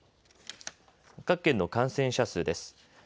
各県の感染者数です。